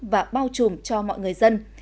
và bao trùm cho mọi người dân